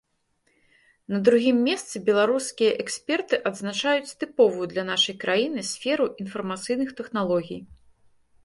На другім месцы беларускія эксперты адзначаюць тыповую для нашай краіны сферу інфармацыйных тэхналогій.